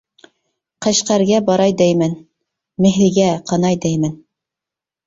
قەشقەرگە باراي دەيمەن، مېھرىگە قاناي دەيمەن.